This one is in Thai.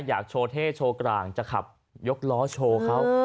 อยากโชว์เท่โชว์กลางจะขับยกล้อโชว์เขา